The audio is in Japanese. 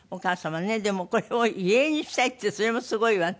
でもこれを遺影にしたいってそれもすごいわね。